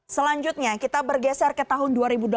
selanjutnya kita bergeser ke tahun dua ribu delapan belas